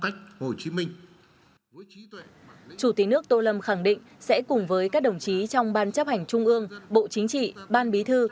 chủ tịch nước tô lâm khẳng định sẽ cùng với các đồng chí trong ban chấp hành trung ương bộ chính trị ban bí thư